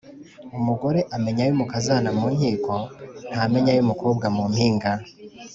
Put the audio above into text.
Umugore amenya ayo umukazana mu nkiko, ntamenya ayo umukobwa mu mpinga.